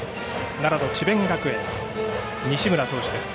奈良の智弁学園、西村投手です。